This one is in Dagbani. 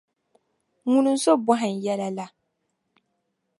Ŋuni n-so bohi n yɛla la?